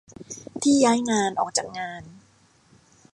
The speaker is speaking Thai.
ที่ย้ายงาน ออกจากงาน